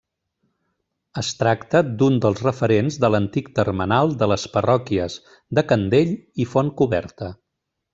Es tracta d'un dels referents de l'antic termenal de les parròquies de Candell i Fontcoberta.